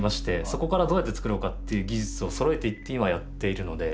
そこからどうやって作ろうかっていう技術をそろえていって今やっているので。